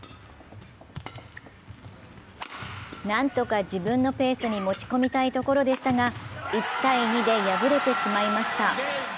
なんとか自分のペースに持ち込みたいところでしたが１−２で敗れてしまいました。